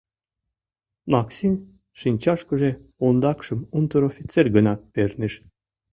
Максин шинчашкыже ондакшым унтер-офицер гына перныш.